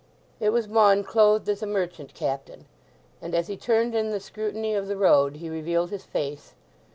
It was one clothed as a merchant captain, and as he turned in the scrutiny of the road he revealed his face.